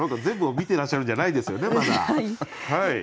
全部を見てらっしゃるんじゃないですよねまだ。